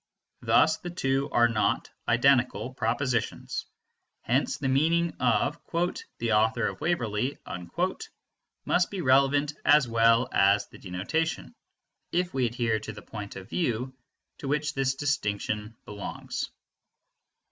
Thus the two are not identical propositions; hence the meaning of "the author of Waverley" must be relevant as well as the denotation, if we adhere to the point of view to which this distinction belongs.